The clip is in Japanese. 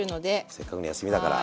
せっかくの休みだから。